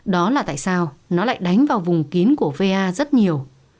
đó là tại sao nó lại đánh vào vùng kín của va rất nhiều